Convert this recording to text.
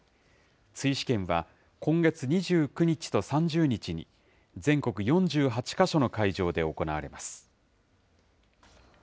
追試験は今月２９日と３０日に、全国４８か所の会場で行われます。